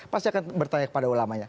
pasti akan bertanya kepada ulama nya